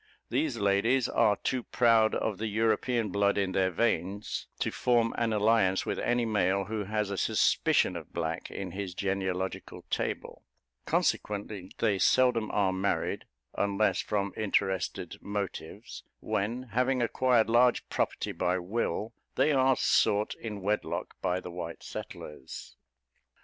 These ladies are too proud of the European blood in their veins to form an alliance with any male who has a suspicion of black in his genealogical table; consequently they seldom are married unless from interested motives, when, having acquired large property by will, they are sought in wedlock by the white settlers.